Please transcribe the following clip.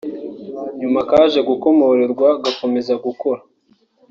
nyuma kaje gukomorerwa kagakomeza gukora